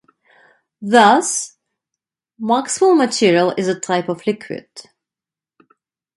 Thus, Maxwell material is a type of liquid.